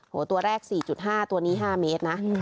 โหตัวแรกสี่จุดห้าตัวนี้ห้าเมตรนะ